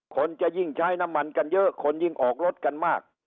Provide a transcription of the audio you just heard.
คนจะยิ่งใช้น้ำมันกันเยอะคนยิ่งออกรถกันมาก